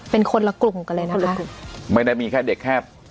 เป็นคนละกลุ่มกันเลยนะคนละกลุ่มไม่ได้มีแค่เด็กแค่